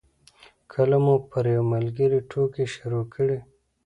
کله مو پر یو ملګري ټوکې شروع کړې.